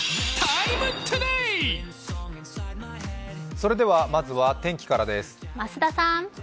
それでは、まずは天気からです。